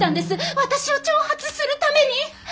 私を挑発するために！